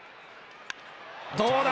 どうだ？